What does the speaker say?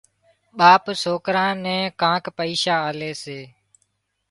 ٻاپ سوڪران نين ڪانڪ پئشا آلي سي